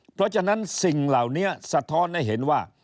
เพราะฉะนั้นสิ่งเหล่านี้สะท้อนให้เห็นว่า